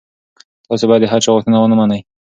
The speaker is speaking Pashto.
تاسي باید د هر چا غوښتنه ونه منئ.